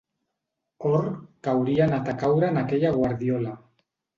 Or que hauria anat a caure en aquella guardiola.